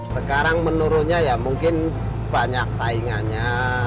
sekarang menurunnya ya mungkin banyak saingannya